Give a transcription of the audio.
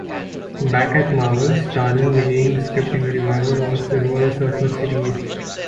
Back at Marvel, Starlin began scripting a revival of the "Silver Surfer" series.